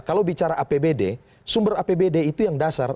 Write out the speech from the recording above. kalau bicara apbd sumber apbd itu yang dasar